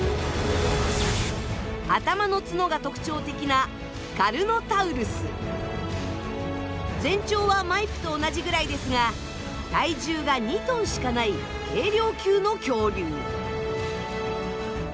頭の角が特徴的な全長はマイプと同じぐらいですが体重が２ｔしかない軽量級の恐竜。